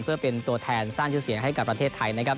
เพื่อเป็นตัวแทนสร้างชื่อเสียงให้กับประเทศไทยนะครับ